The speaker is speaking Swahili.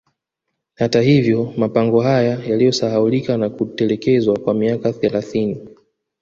Hata hivyo mapango haya yalisahaulika na kutelekezwa kwa miaka thelathini